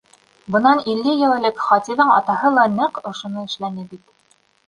Бынан илле йыл элек Хатиҙың атаһы ла нәҡ ошоно эшләне бит.